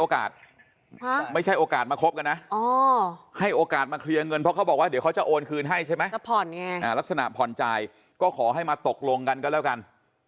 ก็ขอให้มาตกลงกันกันแล้วกัน